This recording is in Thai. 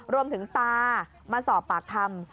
รวมถึงตามาสอบปากคำ